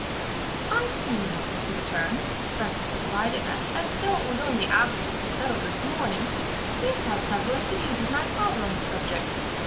"I have seen him since he returned," Francis replied; "and though it was only absolutely settled this morning, he has had several interviews with my father on the subject.